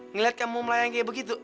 ngeliat kamu melayang kayak begitu